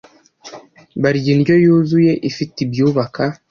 barya indyo yuzuye, ifite ibyubaka